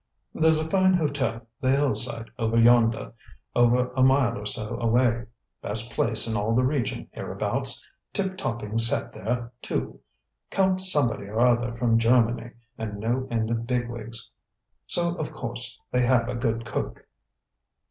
"There's a fine hotel, the Hillside, over yonder, only a mile or so away. Best place in all the region hereabouts; tip topping set there, too. Count Somebody or Other from Germany, and no end of big wigs; so of course they have a good cook."